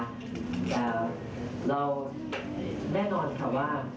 แต่เราแน่นอนค่ะว่า